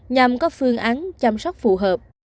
nhằm có phương án chăm sóc phù hợp